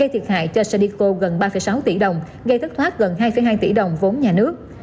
gây thiệt hại cho sandico gần ba sáu tỷ đồng gây thất thoát gần hai hai tỷ đồng vốn nhà nước